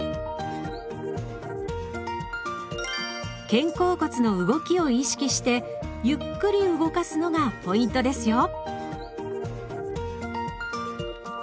肩甲骨の動きを意識してゆっくり動かすのがポイントですよ。